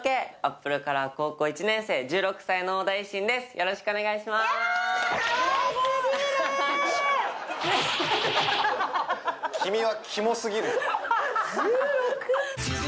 よろしくお願いします１６！？